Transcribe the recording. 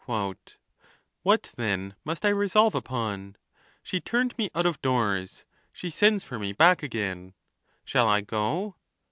— What, then, must I resolve upon ? She tui n'd mo out of doors ; she sends for me back again ; Shall I go